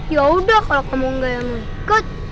yaudah kalo kamu gak mau ikut